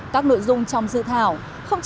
các nội dung trong dự thảo